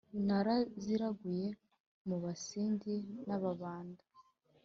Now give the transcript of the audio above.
naraziraguye mu basindi n'ababanda